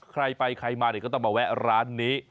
ใครไปใครมาเนี่ยก็ต้องมาแวะร้านนี้